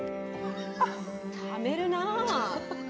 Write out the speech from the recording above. ためるなぁ。